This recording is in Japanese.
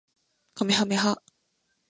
かめはめ波